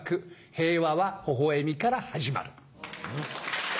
「平和は微笑みから始まる」。